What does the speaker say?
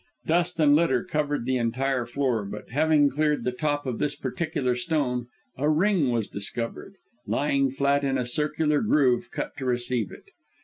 Dust and litter covered the entire floor, but having cleared the top of this particular stone, a ring was discovered, lying flat in a circular groove cut to receive it.